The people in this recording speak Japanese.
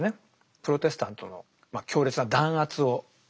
プロテスタントの強烈な弾圧をした人です。